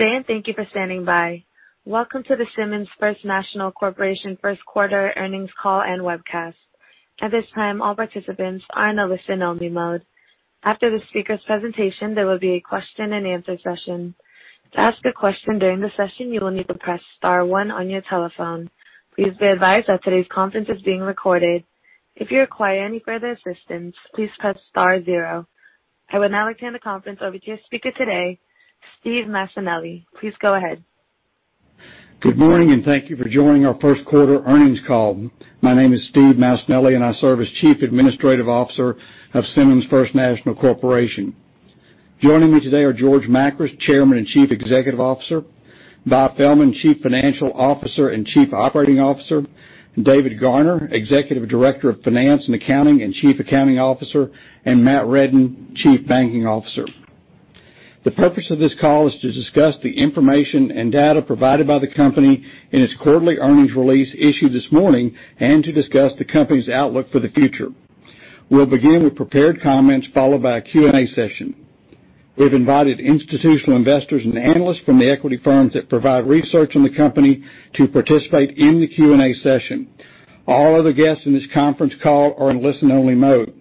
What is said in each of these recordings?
Welcome to the Simmons First National Corporation first quarter earnings call and webcast. I would now like to hand the conference over to your speaker today, Steve Massanelli. Please go ahead. Good morning. Thank you for joining our first quarter earnings call. My name is Steve Massanelli, and I serve as Chief Administrative Officer of Simmons First National Corporation. Joining me today are George Makris, Chairman and Chief Executive Officer, Bob Fehlman, Chief Financial Officer and Chief Operating Officer, David Garner, Executive Director of Finance and Accounting and Chief Accounting Officer, and Matt Reddin, Chief Banking Officer. The purpose of this call is to discuss the information and data provided by the company in its quarterly earnings release issued this morning and to discuss the company's outlook for the future. We'll begin with prepared comments, followed by a Q&A session. We've invited institutional investors and analysts from the equity firms that provide research on the company to participate in the Q&A session. All other guests on this conference call are in listen-only mode.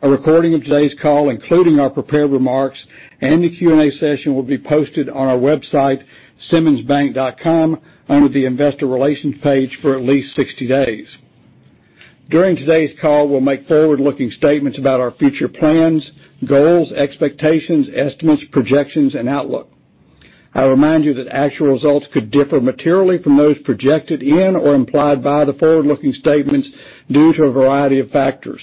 A recording of today's call, including our prepared remarks and the Q&A session, will be posted on our website, simmonsbank.com, under the investor relations page for at least 60 days. During today's call, we'll make forward-looking statements about our future plans, goals, expectations, estimates, projections, and outlook. I remind you that actual results could differ materially from those projected in or implied by the forward-looking statements due to a variety of factors.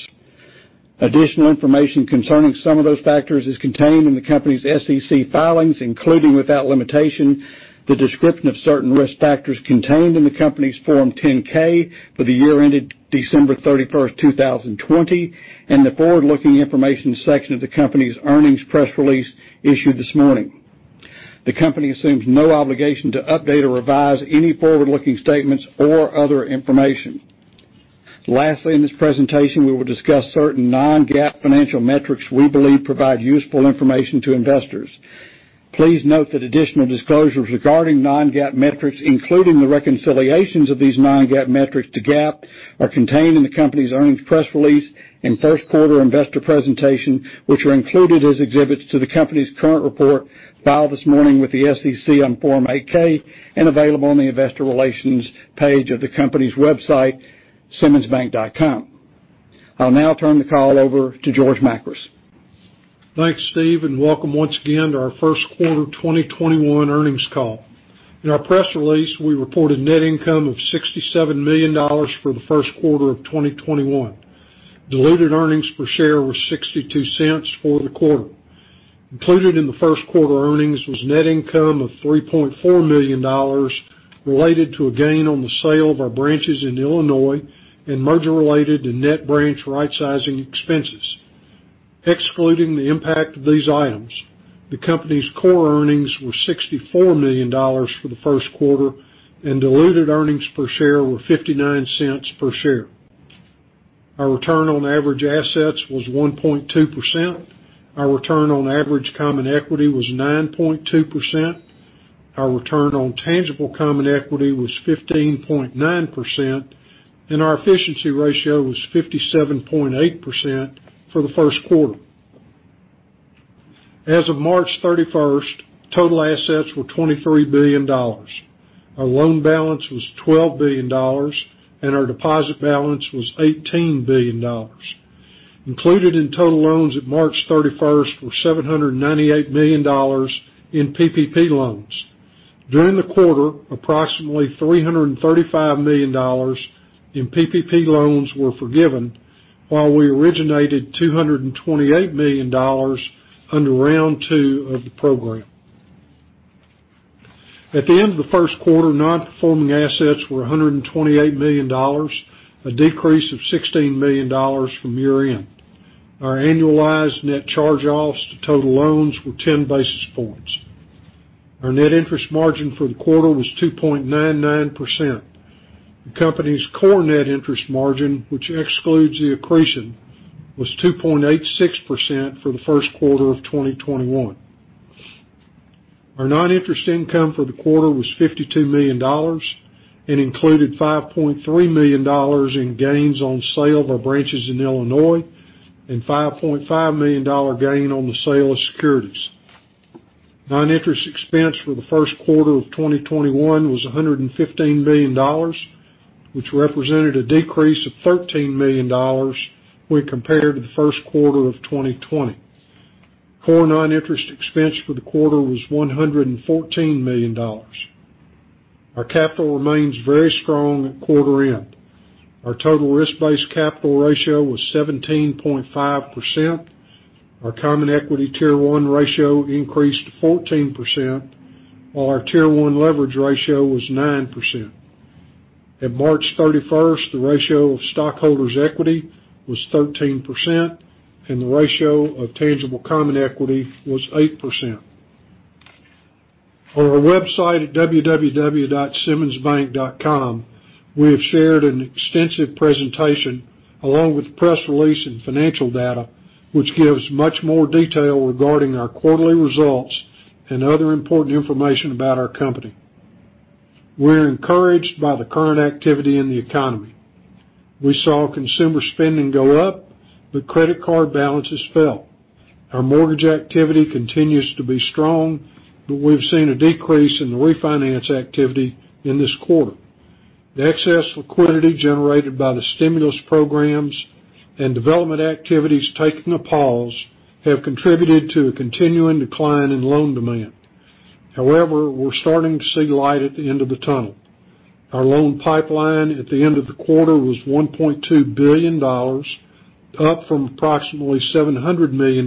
Additional information concerning some of those factors is contained in the company's SEC filings, including, without limitation, the description of certain risk factors contained in the company's Form 10-K for the year ended December 31st, 2020, and the forward-looking information section of the company's earnings press release issued this morning. The company assumes no obligation to update or revise any forward-looking statements or other information. Lastly, in this presentation, we will discuss certain non-GAAP financial metrics we believe provide useful information to investors. Please note that additional disclosures regarding non-GAAP metrics, including the reconciliations of these non-GAAP metrics to GAAP, are contained in the company's earnings press release and first quarter investor presentation, which are included as exhibits to the company's current report filed this morning with the SEC on Form 8-K and available on the investor relations page of the company's website, simmonsbank.com. I'll now turn the call over to George Makris. Thanks, Steve, and welcome once again to our first quarter 2021 earnings call. In our press release, we reported net income of $67 million for the first quarter of 2021. Diluted earnings per share were $0.62 for the quarter. Included in the first quarter earnings was net income of $3.4 million related to a gain on the sale of our branches in Illinois and merger-related and net branch rightsizing expenses. Excluding the impact of these items, the company's core earnings were $64 million for the first quarter, and diluted earnings per share were $0.59 per share. Our return on average assets was 1.2%. Our return on average common equity was 9.2%. Our return on tangible common equity was 15.9%, and our efficiency ratio was 57.8% for the first quarter. As of March 31st, total assets were $23 billion. Our loan balance was $12 billion, and our deposit balance was $18 billion. Included in total loans at March 31st were $798 million in PPP loans. During the quarter, approximately $335 million in PPP loans were forgiven, while we originated $228 million under round two of the program. At the end of the first quarter, non-performing assets were $128 million, a decrease of $16 million from year-end. Our annualized net charge-offs to total loans were 10 basis points. Our net interest margin for the quarter was 2.99%. The company's core net interest margin, which excludes the accretion, was 2.86% for the first quarter of 2021. Our non-interest income for the quarter was $52 million and included $5.3 million in gains on sale of our branches in Illinois and $5.5 million gain on the sale of securities. Non-interest expense for the first quarter of 2021 was $115 million, which represented a decrease of $13 million when compared to the first quarter of 2020. Core non-interest expense for the quarter was $114 million. Our capital remains very strong at quarter end. Our total risk-based capital ratio was 17.5%. Our common equity Tier One ratio increased to 14%, while our Tier One leverage ratio was 9%. At March 31st, the ratio of stockholders' equity was 13%, and the ratio of tangible common equity was 8%. On our website at www.simmonsbank.com. We have shared an extensive presentation along with the press release and financial data, which gives much more detail regarding our quarterly results and other important information about our company. We're encouraged by the current activity in the economy. We saw consumer spending go up. Credit card balances fell. Our mortgage activity continues to be strong. We've seen a decrease in the refinance activity in this quarter. The excess liquidity generated by the stimulus programs and development activities taking a pause have contributed to a continuing decline in loan demand. However, we're starting to see light at the end of the tunnel. Our loan pipeline at the end of the quarter was $1.2 billion, up from approximately $700 million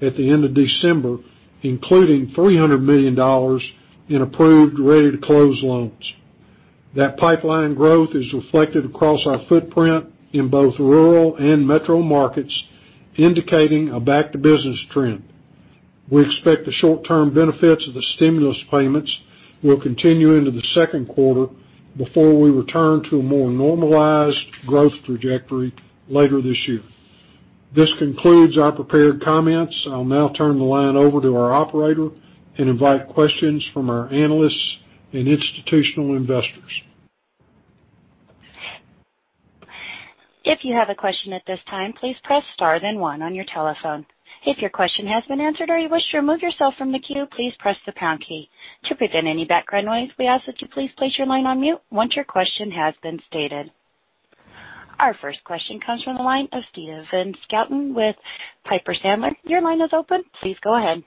at the end of December, including $300 million in approved, ready-to-close loans. That pipeline growth is reflected across our footprint in both rural and metro markets, indicating a back-to-business trend. We expect the short-term benefits of the stimulus payments will continue into the second quarter before we return to a more normalized growth trajectory later this year. This concludes our prepared comments. I'll now turn the line over to our operator and invite questions from our analysts and institutional investors. If you have a question at this time, please press star, then one on your telephone. If your question has been answered, or you wish to remove yourself from the queue, please press the pound key. Triple did any background noise. We ask that you please place your line on mute once your question has been stated. Our first question comes from the line of Stephen Scouten with Piper Sandler. Your line is open. Please go ahead.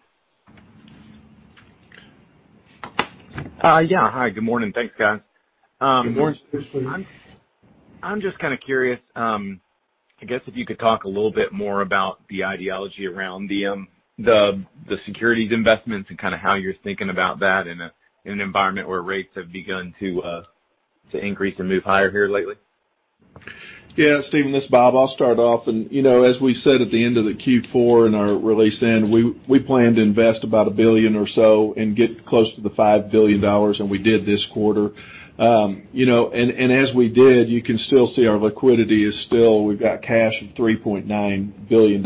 Hi, good morning. Thanks, guys. Good morning, Stephen. I'm just kind of curious, I guess if you could talk a little bit more about the ideology around the securities investments and kind of how you're thinking about that in an environment where rates have begun to increase and move higher here lately. Stephen, this is Bob. I'll start off. As we said at the end of the Q4 in our release then, we plan to invest about a billion or so and get close to the $5 billion, and we did this quarter. As we did, you can still see our liquidity is still, we've got cash of $3.9 billion.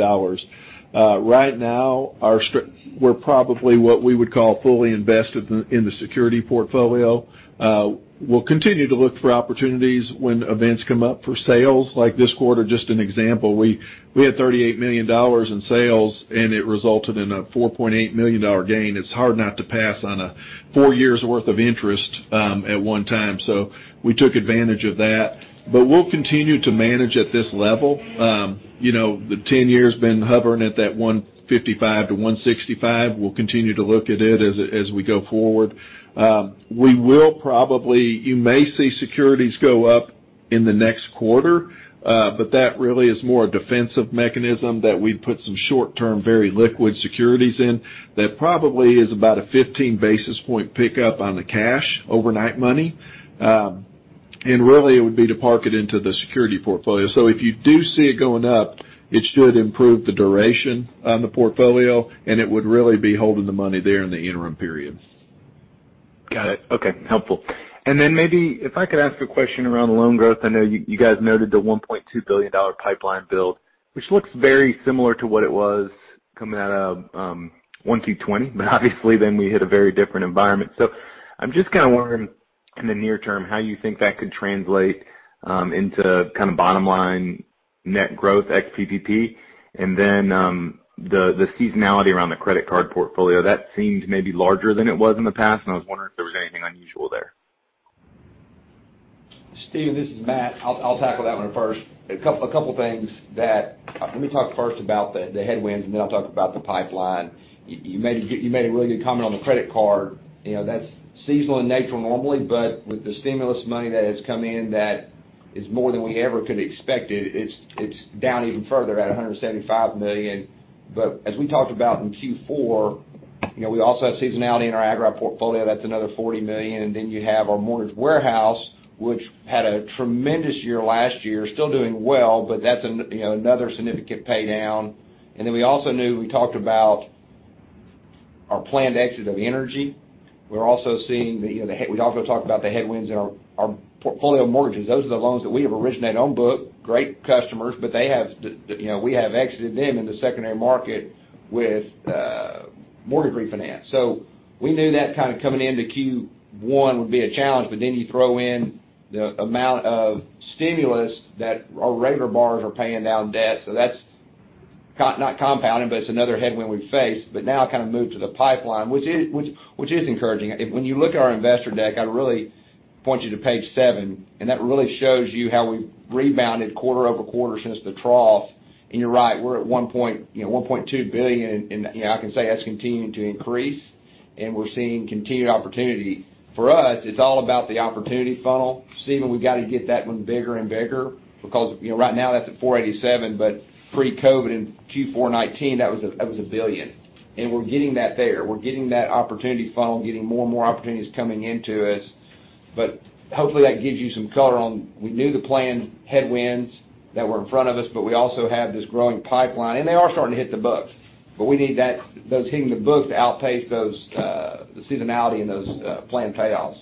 Right now, we're probably what we would call fully invested in the security portfolio. We'll continue to look for opportunities when events come up for sales. Like this quarter, just an example, we had $38 million in sales, and it resulted in a $4.8 million gain. It's hard not to pass on four years' worth of interest at one time. We took advantage of that. We'll continue to manage at this level. The 10-year's been hovering at that 155-165. We'll continue to look at it as we go forward. You may see securities go up in the next quarter, that really is more a defensive mechanism that we put some short-term, very liquid securities in. That probably is about a 15 basis point pickup on the cash overnight money. Really, it would be to park it into the security portfolio. If you do see it going up, it should improve the duration on the portfolio, and it would really be holding the money there in the interim period. Got it. Okay. Helpful. Maybe if I could ask a question around loan growth. I know you guys noted the $1.2 billion pipeline build, which looks very similar to what it was coming out of Q1 2020, but obviously then we hit a very different environment. I'm just kind of wondering, in the near term, how you think that could translate into kind of bottom-line net growth ex PPP, and then the seasonality around the credit card portfolio. That seems maybe larger than it was in the past, and I was wondering if there was anything unusual there. Stephen, this is Matt. I'll tackle that one first. A couple things. Let me talk first about the headwinds, and then I'll talk about the pipeline. You made a really good comment on the credit card. That's seasonal in nature normally, but with the stimulus money that has come in, that is more than we ever could have expected. It's down even further at $175 million. As we talked about in Q4, we also have seasonality in our agri portfolio. That's another $40 million. You have our mortgage warehouse, which had a tremendous year last year, still doing well, but that's another significant pay down. We also knew, we talked about our planned exit of energy. We also talked about the headwinds in our portfolio of mortgages. Those are the loans that we have originated on book, great customers, but we have exited them in the secondary market with mortgage refinance. We knew that kind of coming into Q1 would be a challenge, you throw in the amount of stimulus that our regular borrowers are paying down debt. That's not compounding, but it's another headwind we face. I kind of move to the pipeline, which is encouraging. When you look at our investor deck, I'd really point you to page seven, that really shows you how we rebounded quarter-over-quarter since the trough. You're right, we're at $1.2 billion, I can say that's continuing to increase, we're seeing continued opportunity. For us, it's all about the opportunity funnel. Stephen, we've got to get that one bigger and bigger because right now that's at 487, but pre-COVID in Q4 2019, that was $1 billion. We're getting that there. We're getting that opportunity funnel, getting more and more opportunities coming into us. Hopefully that gives you some color on, we knew the planned headwinds that were in front of us, but we also have this growing pipeline, and they are starting to hit the books. We need those hitting the book to outpace the seasonality and those planned payoffs.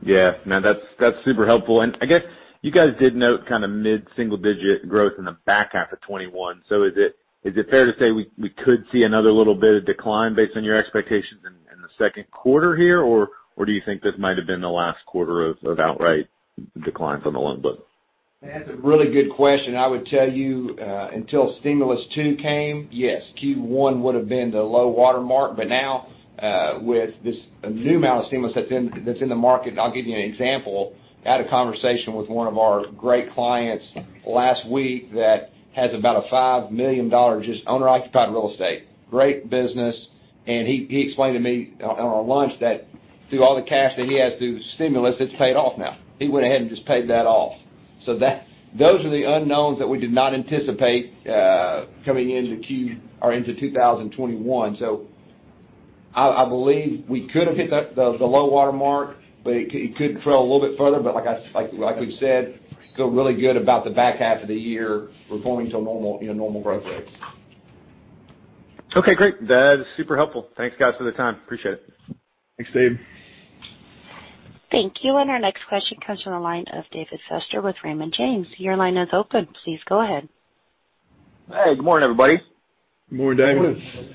Yeah. No, that's super helpful. I guess you guys did note mid-single-digit growth in the back half of 2021. Is it fair to say we could see another little bit of decline based on your expectations in the second quarter here, or do you think this might have been the last quarter of outright decline from the loan book? That's a really good question. I would tell you, until Stimulus two came, yes, Q1 would've been the low water mark. Now, with this new amount of stimulus that's in the market, I'll give you an example. I had a conversation with one of our great clients last week that has about a $5 million just owner-occupied real estate. Great business, he explained to me on our lunch that through all the cash that he has through stimulus, it's paid off now. He went ahead and just paid that off. Those are the unknowns that we did not anticipate coming into 2021. I believe we could have hit the low water mark, but it could trail a little bit further, but like we've said, feel really good about the back half of the year. We're going to normal growth rates. Okay, great. That is super helpful. Thanks guys for the time. Appreciate it. Thanks, Dave. Thank you. Our next question comes from the line of David Feaster with Raymond James. Your line is open. Please go ahead. Hey, good morning, everybody. Good morning, David. Morning.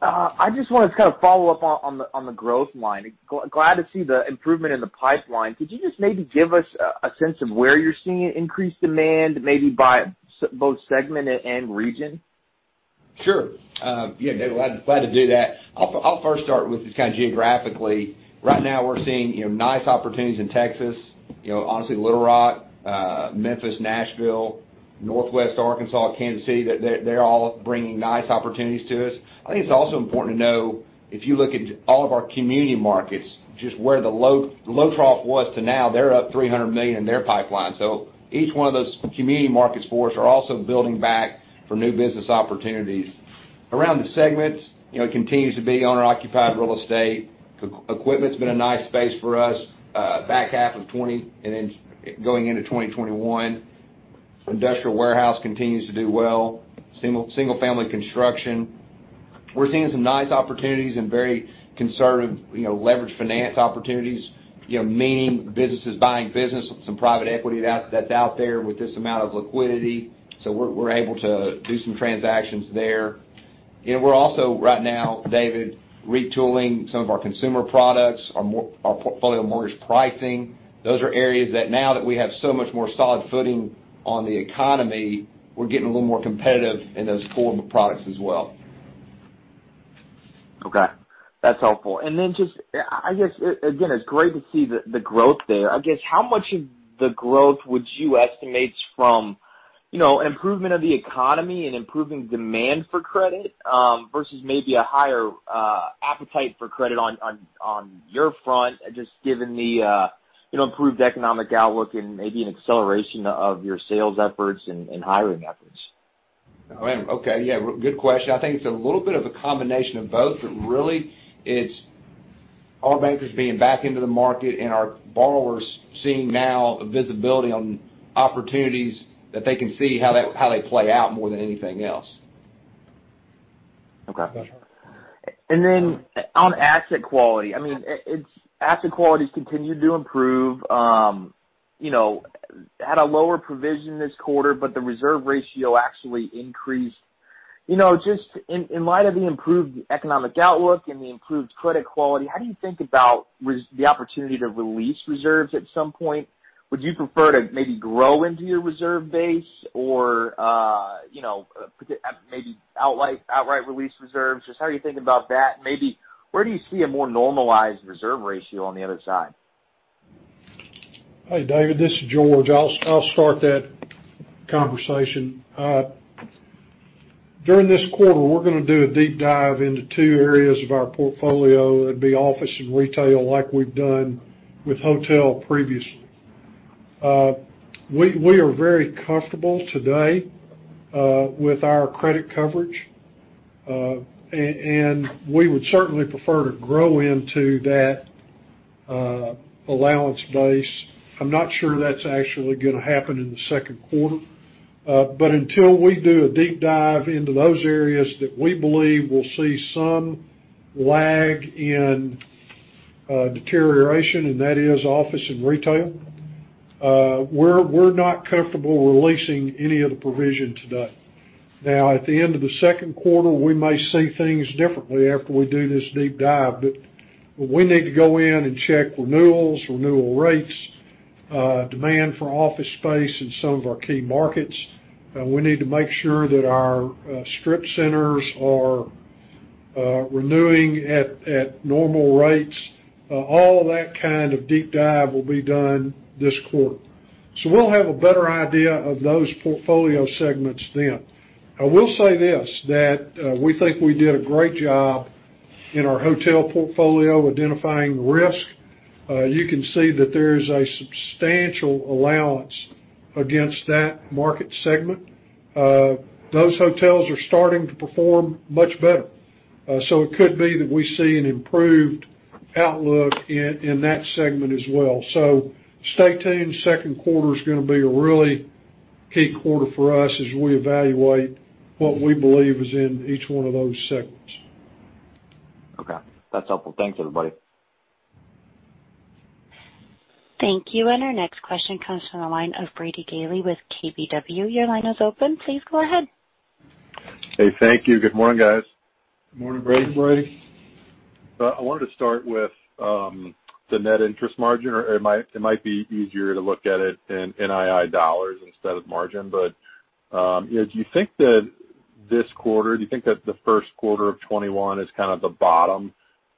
I just wanted to kind of follow up on the growth line. Glad to see the improvement in the pipeline. Could you just maybe give us a sense of where you're seeing increased demand, maybe by both segment and region? Sure. Yeah, David, glad to do that. I'll first start with just kind of geographically. Right now, we're seeing nice opportunities in Texas. Honestly, Little Rock, Memphis, Nashville, Northwest Arkansas, Kansas City, they're all bringing nice opportunities to us. I think it's also important to know, if you look into all of our community markets, just where the low trough was to now, they're up $300 million in their pipeline. Each one of those community markets for us are also building back for new business opportunities. Around the segments, it continues to be owner-occupied real estate. Equipment's been a nice space for us back half of 2020, and then going into 2021. Industrial warehouse continues to do well. Single-family construction. We're seeing some nice opportunities in very conservative leverage finance opportunities, meaning businesses buying business, some private equity that's out there with this amount of liquidity. We're able to do some transactions there. We're also, right now, David, retooling some of our consumer products, our portfolio mortgage pricing. Those are areas that now that we have so much more solid footing on the economy, we're getting a little more competitive in those core products as well. Okay. That's helpful. Then just, I guess, again, it's great to see the growth there. I guess, how much of the growth would you estimate from an improvement of the economy and improving demand for credit, versus maybe a higher appetite for credit on your front, just given the improved economic outlook and maybe an acceleration of your sales efforts and hiring efforts? Oh, okay. Yeah. Good question. I think it's a little bit of a combination of both, but really, it's our bankers being back into the market and our borrowers seeing now a visibility on opportunities that they can see how they play out more than anything else. Okay. On asset quality, asset quality's continued to improve, had a lower provision this quarter, but the reserve ratio actually increased. Just in light of the improved economic outlook and the improved credit quality, how do you think about the opportunity to release reserves at some point? Would you prefer to maybe grow into your reserve base or maybe outright release reserves? Just how are you thinking about that? Maybe where do you see a more normalized reserve ratio on the other side? Hey, David, this is George. I'll start that conversation. During this quarter, we're going to do a deep dive into two areas of our portfolio. It'd be office and retail, like we've done with hotel previously. We are very comfortable today with our credit coverage, and we would certainly prefer to grow into that allowance base. I'm not sure that's actually going to happen in the second quarter. Until we do a deep dive into those areas that we believe will see some lag in deterioration, and that is office and retail, we're not comfortable releasing any of the provision today. Now, at the end of the second quarter, we may see things differently after we do this deep dive. We need to go in and check renewals, renewal rates, demand for office space in some of our key markets. We need to make sure that our strip centers are renewing at normal rates. All of that kind of deep dive will be done this quarter. We'll have a better idea of those portfolio segments then. I will say this, that we think we did a great job in our hotel portfolio identifying risk. You can see that there is a substantial allowance against that market segment. Those hotels are starting to perform much better. It could be that we see an improved outlook in that segment as well. Stay tuned. Second quarter's going to be a really key quarter for us as we evaluate what we believe is in each one of those segments. Okay. That's helpful. Thanks, everybody. Thank you. Our next question comes from the line of Brady Gailey with KBW. Your line is open. Please go ahead. Hey, thank you. Good morning, guys. Morning, Brady. Morning, Brady. I wanted to start with the net interest margin, or it might be easier to look at it in NII dollars instead of margin. Do you think that this quarter, do you think that the first quarter of 2021 is kind of the bottom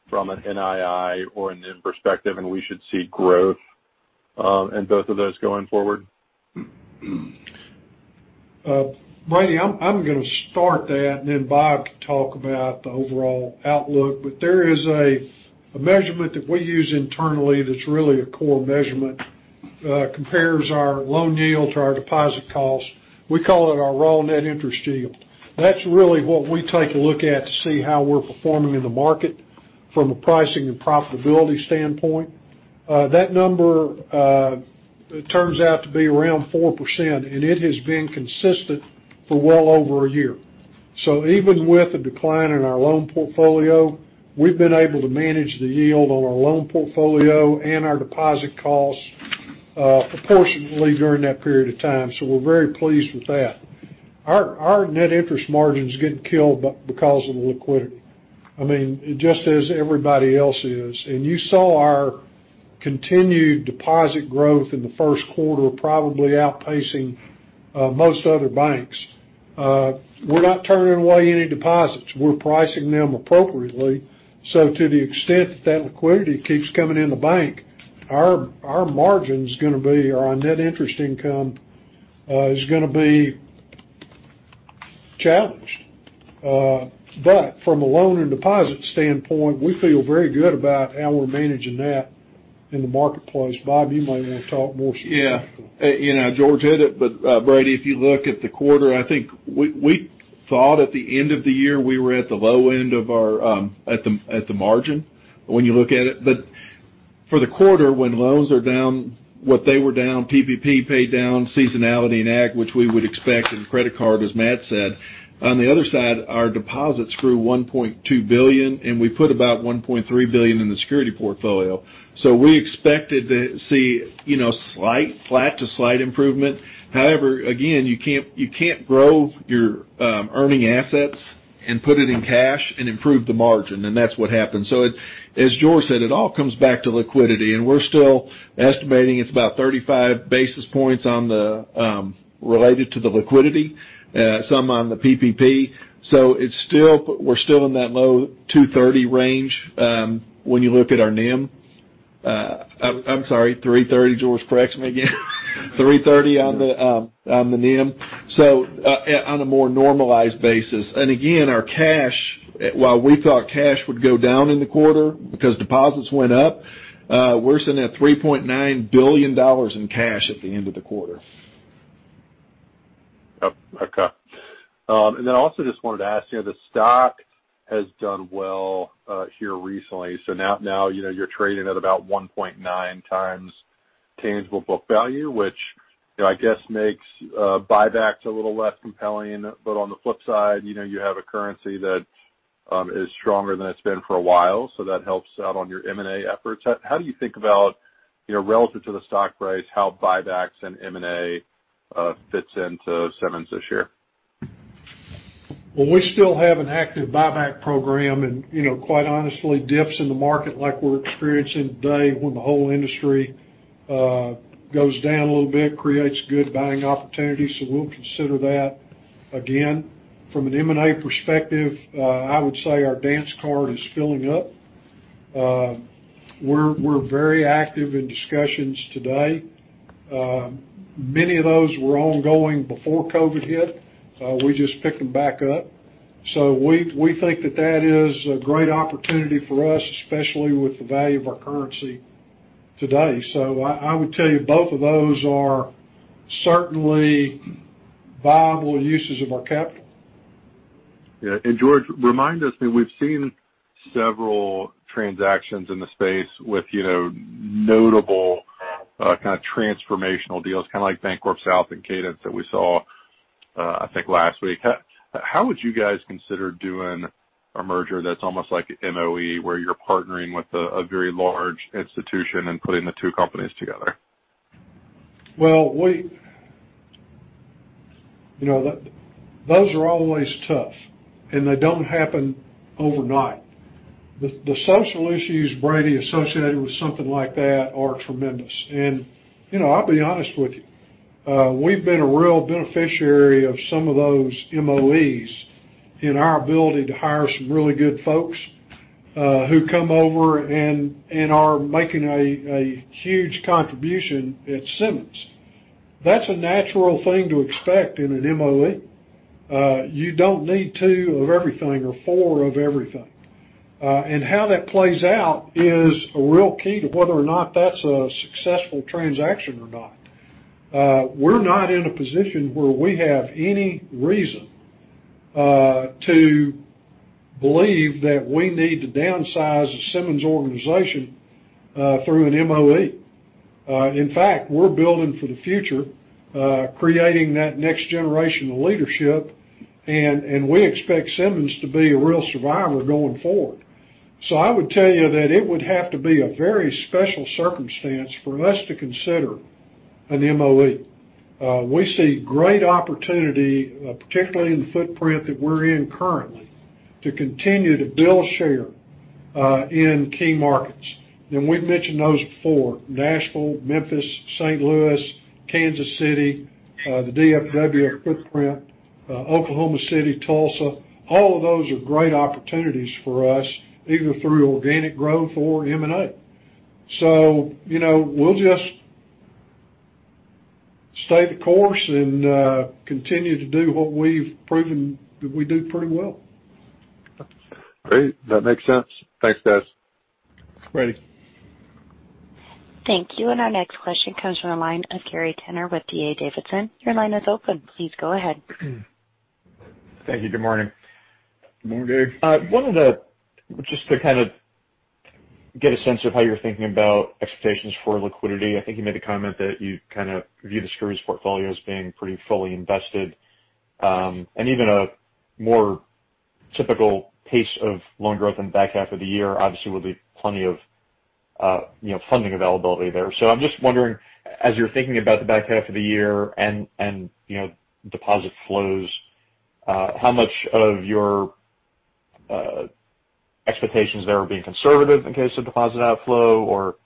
from an NII or a NIM perspective, and we should see growth in both of those going forward? Brady, I'm going to start that, and then Bob can talk about the overall outlook. There is a measurement that we use internally that's really a core measurement. It compares our loan yield to our deposit cost. We call it our raw net interest yield. That's really what we take a look at to see how we're performing in the market from a pricing and profitability standpoint. That number turns out to be around 4%, and it has been consistent for well over a year. Even with the decline in our loan portfolio, we've been able to manage the yield on our loan portfolio and our deposit costs proportionately during that period of time. We're very pleased with that. Our net interest margin is getting killed because of the liquidity. I mean, just as everybody else is. You saw our continued deposit growth in the first quarter, probably outpacing most other banks. We're not turning away any deposits. We're pricing them appropriately. To the extent that that liquidity keeps coming in the bank, our net interest income is going to be challenged. From a loan and deposit standpoint, we feel very good about how we're managing that in the marketplace. Bob, you might want to talk more specifically. Yeah. George hit it. Brady, if you look at the quarter, I think we thought at the end of the year, we were at the low end of the margin, when you look at it. For the quarter, when loans are down, what they were down, PPP paid down, seasonality and ag, which we would expect in credit card, as Matt said. On the other side, our deposits grew $1.2 billion, and we put about $1.3 billion in the security portfolio. We expected to see flat to slight improvement. However, again, you can't grow your earning assets and put it in cash and improve the margin, and that's what happened. As George said, it all comes back to liquidity, and we're still estimating it's about 35 basis points related to the liquidity, some on the PPP. We're still in that low 230 range when you look at our NIM. I'm sorry, 330. George, correct me again. 330 on the NIM, so on a more normalized basis. Again, our cash, while we thought cash would go down in the quarter because deposits went up, we're sitting at $3.9 billion in cash at the end of the quarter. Okay. I also just wanted to ask, the stock has done well here recently. Now you're trading at about 1.9 times tangible book value, which I guess makes buybacks a little less compelling. On the flip side, you have a currency that is stronger than it's been for a while, so that helps out on your M&A efforts. How do you think about, relative to the stock price, how buybacks and M&A fits into Simmons this year? We still have an active buyback program, and quite honestly, dips in the market like we're experiencing today when the whole industry goes down a little bit, creates good buying opportunities. We'll consider that. Again, from an M&A perspective, I would say our dance card is filling up. We're very active in discussions today. Many of those were ongoing before COVID hit. We just picked them back up. We think that that is a great opportunity for us, especially with the value of our currency today. I would tell you, both of those are certainly viable uses of our capital. Yeah. George, remind us, we've seen several transactions in the space with notable kind of transformational deals, kind of like BancorpSouth and Cadence that we saw, I think, last week. How would you guys consider doing a merger that's almost like an MOE, where you're partnering with a very large institution and putting the two companies together? Well, those are always tough, and they don't happen overnight. The social issues, Brady, associated with something like that are tremendous. I'll be honest with you. We've been a real beneficiary of some of those MOEs in our ability to hire some really good folks who come over and are making a huge contribution at Simmons. That's a natural thing to expect in an MOE. You don't need two of everything or four of everything. How that plays out is a real key to whether or not that's a successful transaction or not. We're not in a position where we have any reason to believe that we need to downsize the Simmons organization through an MOE. In fact, we're building for the future, creating that next generation of leadership, and we expect Simmons to be a real survivor going forward. I would tell you that it would have to be a very special circumstance for us to consider an M&A. We see great opportunity, particularly in the footprint that we're in currently, to continue to build share in key markets. We've mentioned those before, Nashville, Memphis, St. Louis, Kansas City, the DFW footprint, Oklahoma City, Tulsa. All of those are great opportunities for us, either through organic growth or M&A. We'll just stay the course and continue to do what we've proven that we do pretty well. Great. That makes sense. Thanks, guys. Brady. Thank you. Our next question comes from the line of Gary Tenner with D.A. Davidson. Your line is open. Please go ahead. Thank you. Good morning. Good morning, Gary. Just to kind of get a sense of how you're thinking about expectations for liquidity. I think you made a comment that you kind of view the securities portfolio as being pretty fully invested. Even a more typical pace of loan growth in the back half of the year, obviously, would leave plenty of funding availability there. I'm just wondering, as you're thinking about the back half of the year and deposit flows, how much of your expectations there are being conservative in case of deposit outflow, or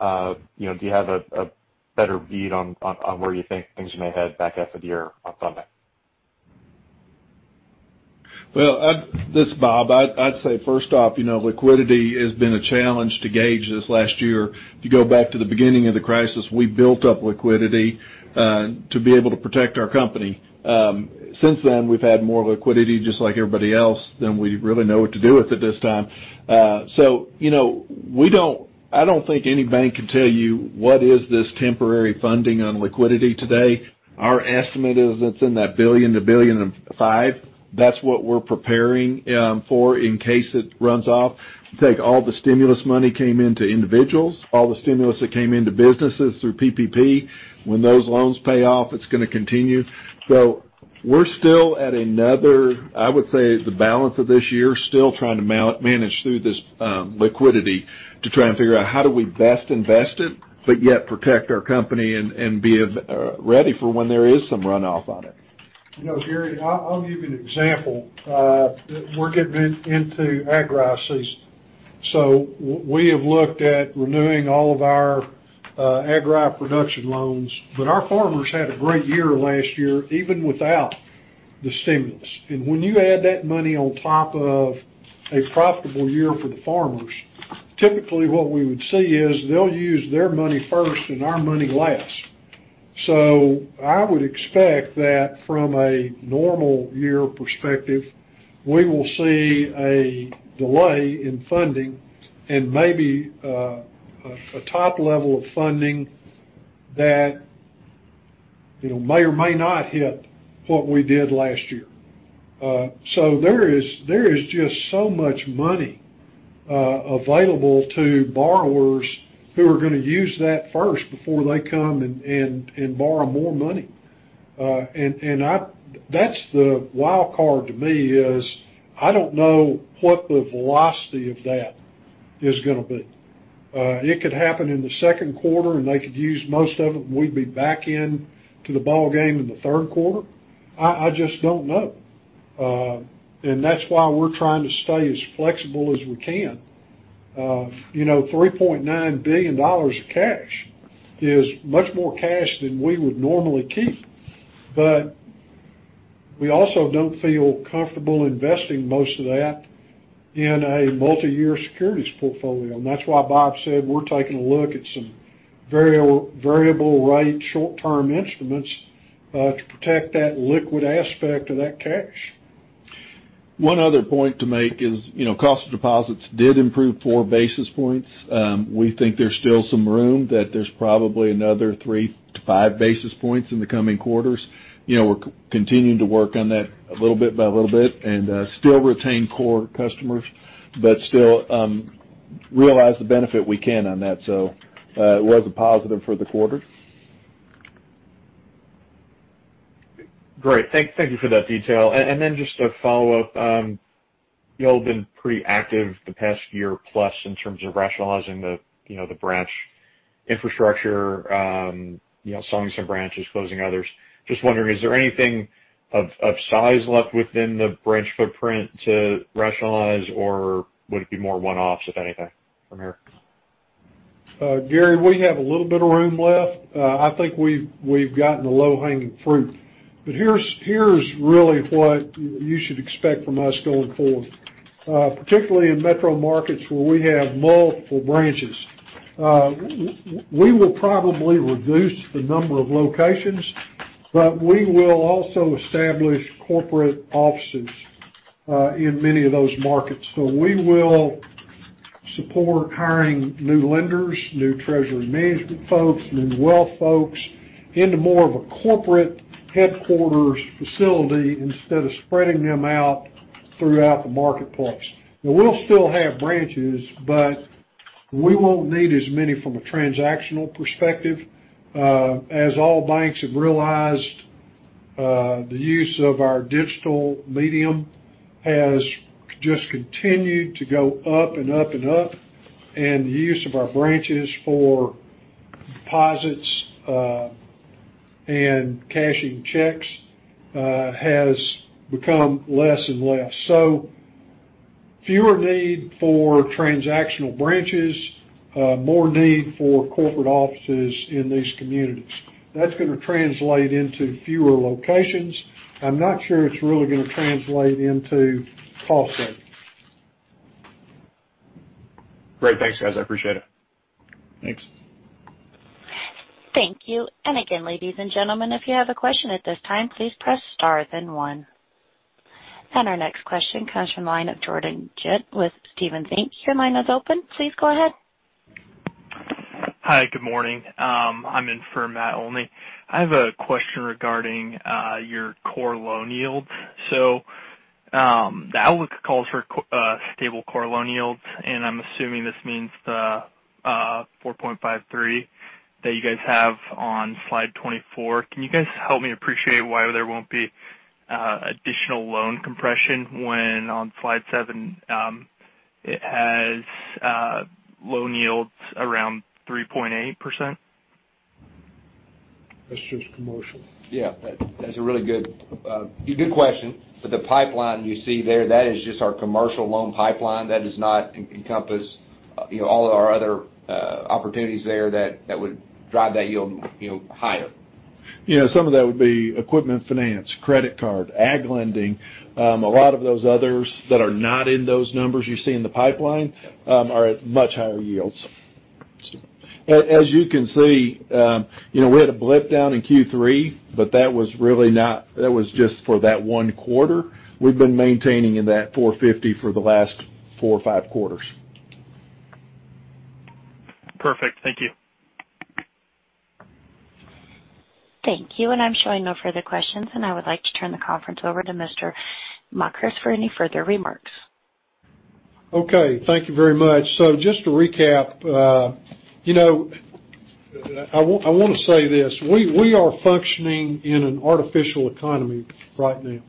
do you have a better read on where you think things may head back half of the year on funding? Well, this is Bob. I'd say, first off, liquidity has been a challenge to gauge this last year. If you go back to the beginning of the crisis, we built up liquidity to be able to protect our company. Since then, we've had more liquidity, just like everybody else, than we really know what to do with at this time. I don't think any bank can tell you what is this temporary funding on liquidity today. Our estimate is it's in that $1 billion-$1.5 billion. That's what we're preparing for in case it runs off. Take all the stimulus money came into individuals, all the stimulus that came into businesses through PPP. When those loans pay off, it's going to continue. We're still at another, I would say, the balance of this year, still trying to manage through this liquidity to try and figure out how do we best invest it, but yet protect our company and be ready for when there is some runoff on it. Gary, I'll give you an example. We're getting into aggro season. We have looked at renewing all of our aggro production loans. Our farmers had a great year last year, even without the stimulus. When you add that money on top of a profitable year for the farmers, typically what we would see is they'll use their money first and our money last. I would expect that from a normal year perspective, we will see a delay in funding and maybe a top level of funding that may or may not hit what we did last year. There is just so much money available to borrowers who are going to use that first before they come and borrow more money. That's the wild card to me is, I don't know what the velocity of that is going to be. It could happen in the second quarter, and they could use most of it, and we'd be back in to the ballgame in the third quarter. I just don't know. That's why we're trying to stay as flexible as we can. $3.9 billion of cash is much more cash than we would normally keep, but we also don't feel comfortable investing most of that in a multi-year securities portfolio. That's why Bob said we're taking a look at some variable rate short-term instruments to protect that liquid aspect of that cash. One other point to make is, cost of deposits did improve 4 basis points. We think there's still some room, that there's probably another 3-5 basis points in the coming quarters. We're continuing to work on that a little bit by little bit and still retain core customers, but still realize the benefit we can on that. It was a positive for the quarter. Great. Thank you for that detail. Just a follow-up. Y'all have been pretty active the past year plus in terms of rationalizing the branch infrastructure, selling some branches, closing others. Just wondering, is there anything of size left within the branch footprint to rationalize, or would it be more one-offs, if anything, from here? Gary, we have a little bit of room left. I think we've gotten the low-hanging fruit. Here's really what you should expect from us going forward. Particularly in metro markets where we have multiple branches. We will probably reduce the number of locations, but we will also establish corporate offices in many of those markets. We will support hiring new lenders, new treasury management folks, new wealth folks into more of a corporate headquarters facility instead of spreading them out throughout the marketplace. We'll still have branches, but we won't need as many from a transactional perspective. As all banks have realized, the use of our digital medium has just continued to go up and up and up, and the use of our branches for deposits and cashing checks has become less and less. Fewer need for transactional branches, more need for corporate offices in these communities. That's going to translate into fewer locations. I'm not sure it's really going to translate into cost savings. Great. Thanks, guys. I appreciate it. Thanks. Thank you. Again, ladies and gentlemen, if you have a question at this time, please press star, then one. Our next question comes from the line of Jordan Ghent with Stephens Inc. Your line is open. Please go ahead. Hi, good morning. I'm in for Matt Olney. I have a question regarding your core loan yield. The outlook calls for stable core loan yields, and I'm assuming this means the 4.53 that you guys have on slide 24. Can you guys help me appreciate why there won't be additional loan compression when on slide seven, it has loan yields around 3.8%? That's just commercial. Yeah. That's a really good question. The pipeline you see there, that is just our commercial loan pipeline. That does not encompass all of our other opportunities there that would drive that yield higher. Some of that would be equipment finance, credit card, ag lending. A lot of those others that are not in those numbers you see in the pipeline are at much higher yields. As you can see, we had a blip down in Q3, but that was just for that one quarter. We've been maintaining in that 450 for the last four or five quarters. Perfect. Thank you. Thank you. I'm showing no further questions. I would like to turn the conference over to Mr. Makris for any further remarks. Okay. Thank you very much. Just to recap, I want to say this, we are functioning in an artificial economy right now,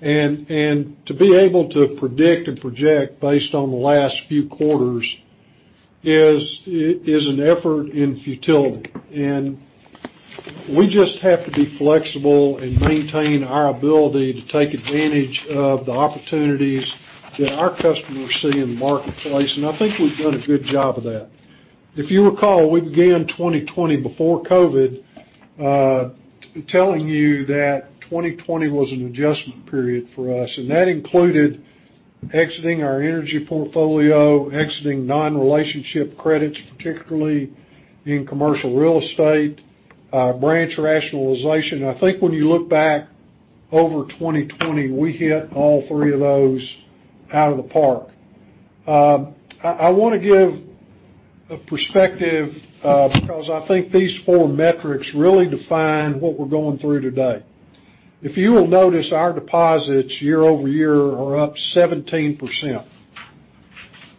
and to be able to predict and project based on the last few quarters is an effort in futility, and we just have to be flexible and maintain our ability to take advantage of the opportunities that our customers see in the marketplace. I think we've done a good job of that. If you recall, we began 2020 before COVID, telling you that 2020 was an adjustment period for us, and that included exiting our energy portfolio, exiting non-relationship credits, particularly in commercial real estate, branch rationalization. I think when you look back over 2020, we hit all three of those out of the park. I want to give a perspective, because I think these four metrics really define what we're going through today. If you will notice, our deposits year-over-year are up 17%.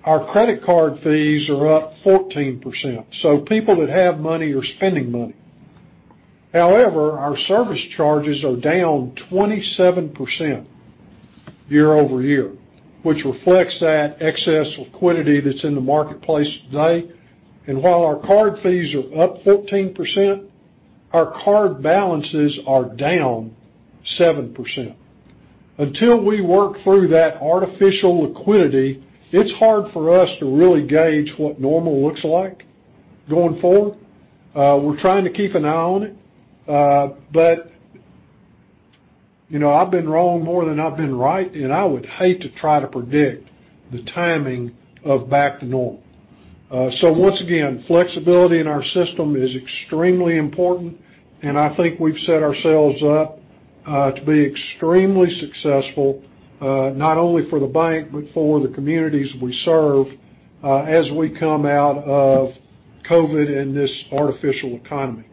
Our credit card fees are up 14%. People that have money are spending money. Our service charges are down 27% year-over-year, which reflects that excess liquidity that's in the marketplace today. While our card fees are up 14%, our card balances are down 7%. Until we work through that artificial liquidity, it's hard for us to really gauge what normal looks like going forward. We're trying to keep an eye on it. I've been wrong more than I've been right, and I would hate to try to predict the timing of back to normal. Once again, flexibility in our system is extremely important, and I think we've set ourselves up to be extremely successful, not only for the bank, but for the communities we serve as we come out of COVID and this artificial economy.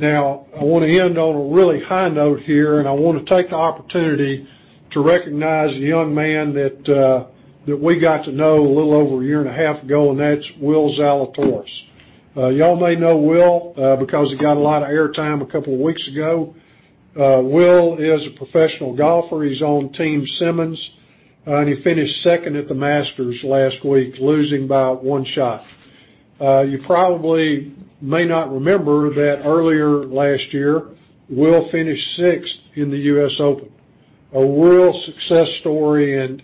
I want to end on a really high note here, and I want to take the opportunity to recognize a young man that we got to know a little over a year and a half ago, and that's Will Zalatoris. You all may know Will because he got a lot of air time a couple of weeks ago. Will is a professional golfer. He's on Team Simmons, and he finished second at the Masters last week, losing by one shot. You probably may not remember that earlier last year, Will finished sixth in the U.S. Open. A real success story and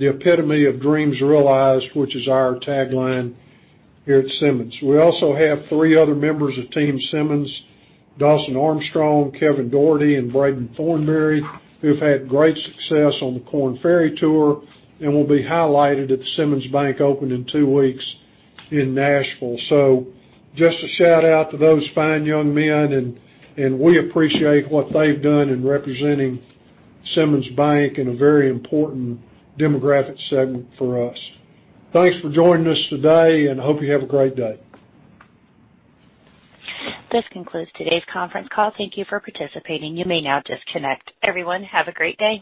the epitome of dreams realized, which is our tagline here at Simmons. We also have three other members of Team Simmons, Dawson Armstrong, Kevin Dougherty, and Braden Thornberry, who've had great success on the Korn Ferry Tour and will be highlighted at the Simmons Bank Open in two weeks in Nashville. Just a shout-out to those fine young men, and we appreciate what they've done in representing Simmons Bank in a very important demographic segment for us. Thanks for joining us today, and hope you have a great day. This concludes today's conference call. Thank you for participating. You may now disconnect. Everyone, have a great day.